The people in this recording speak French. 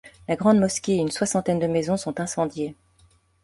La grande mosquée et une soixantaine de maisons sont incendiées.